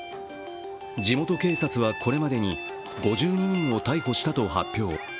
地元警察は、これまでに５２人を逮捕したと発表。